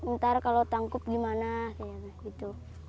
ntar kalau tangkup gimana gitu